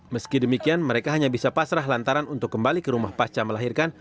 meski demikian mereka hanya bisa pasrah lantaran untuk kembali ke rumah pasca melahirkan